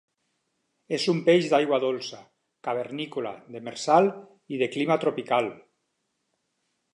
És un peix d'aigua dolça, cavernícola, demersal i de clima tropical.